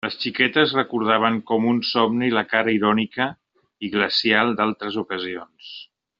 Les xiquetes recordaven com un somni la cara irònica i glacial d'altres ocasions.